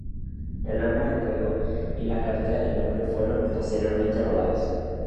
El arma de fuego y la cartera del hombre fueron posteriormente robados.